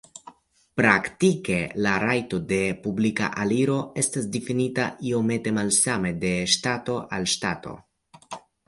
Praktike la rajto de publika aliro estas difinita iomete malsame de ŝtato al ŝtato.